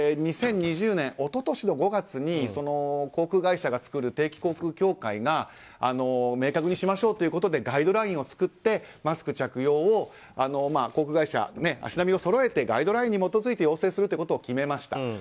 ２０２０年、一昨年５月に航空会社が作る定期航空協会が明確にしましょうということでガイドラインを作ってマスク着用を航空会社、足並みをそろえてガイドラインに基づいて要請するということを決めました。